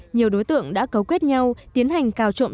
nhiều đối tượng đã cấu kết nhau tiến hành cào trộm